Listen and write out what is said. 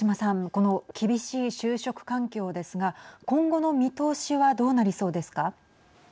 この厳しい就職環境ですが今後の見通しはどうなりそうですか。